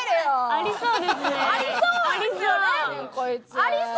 ありそうですね。